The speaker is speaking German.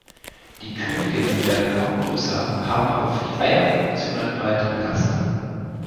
Die Königinnen werden kaum größer, haben aber für die Eierproduktion eine breitere Gaster.